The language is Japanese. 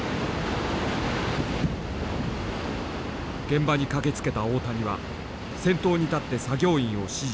現場に駆けつけた大谷は先頭に立って作業員を指示した。